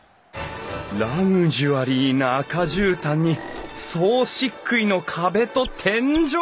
ラグジュアリーな赤じゅうたんに総しっくいの壁と天井！